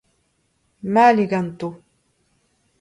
Mall eo ganto